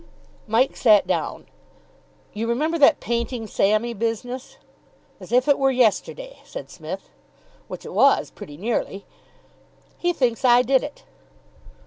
Mike sat down. "You remember that painting Sammy business?" "As if it were yesterday," said Psmith. "Which it was, pretty nearly." "He thinks I did it."